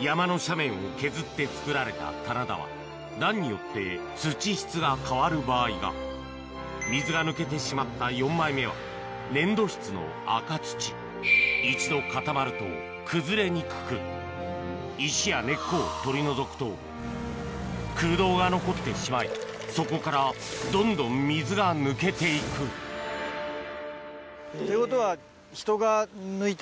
山の斜面を削ってつくられた棚田は段によって土質が変わる場合が水が抜けてしまった４枚目は粘土質の赤土石や根っこを取り除くと空洞が残ってしまいそこからどんどん水が抜けていくってことは。